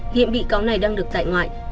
hiện bị cáo này đang được tại ngoại